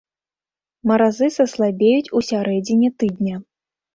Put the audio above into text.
Маразы саслабеюць у сярэдзіне тыдня.